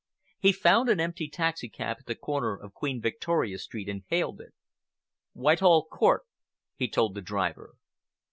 He found an empty taxicab at the corner of Queen Victoria Street, and hailed it. "Whitehall Court," he told the driver.